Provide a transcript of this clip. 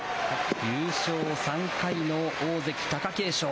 優勝３回の大関・貴景勝。